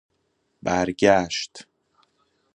برگشت